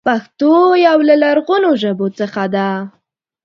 پښتو يو له لرغونو ژبو څخه ده.